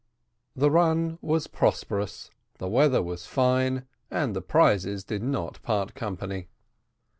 The run was prosperous, the weather was fine, and the prizes did not part company.